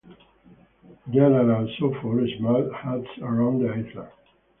There are also four small huts around the island.